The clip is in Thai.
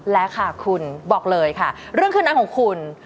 และค่ะคุณบอกเลยค่ะเรื่องขึ้นนั้นของคุณ